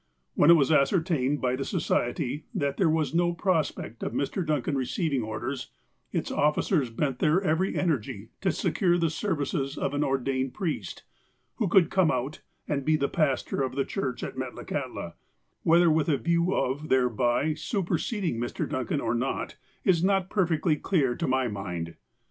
When it was ascertained by the Society that there was no prospect of Mr. Duncan receiving orders, its officers bent their every energy to secure the services of an or dained priest, who could come out, and be the pastor of the church at Metlakahtla, whether with a view of thereby superseding Mr. Duncan, or not, is not perfectly clear to my mind.